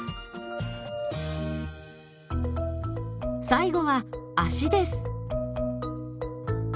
最後は足です。